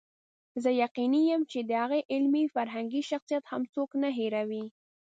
زه یقیني یم چې د هغه علمي فرهنګي شخصیت هم څوک نه هېروي.